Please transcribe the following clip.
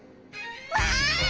わい！